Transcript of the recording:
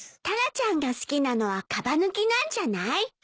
タラちゃんが好きなのはかば抜きなんじゃない？